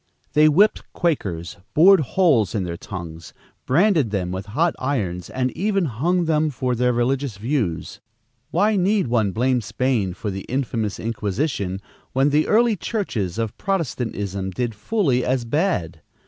They whipped Quakers, bored holes in their tongues, branded them with hot irons, and even hung them for their religious views. Why need one blame Spain for the infamous inquisition, when the early churches of Protestantism did fully as bad?